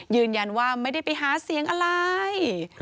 ยืนยันว่าไม่ได้ไปหาเสียงอะไร